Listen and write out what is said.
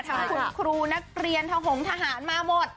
ทั้งคุณครูนักเรียนทหงทหารมาหมด